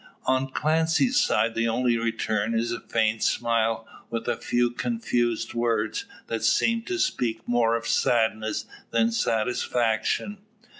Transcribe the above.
On Clancy's side the only return is a faint smile, with a few confused words, that seem to speak more of sadness than satisfaction.